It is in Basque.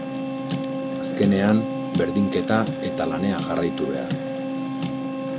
Azkenean, berdinketa eta lanean jarraitu behar.